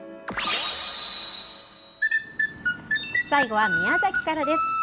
最後は宮崎からです。